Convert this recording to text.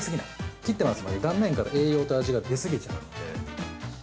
切っていますので、断面から栄養と味が出過ぎちゃうので。